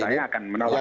saya akan menolak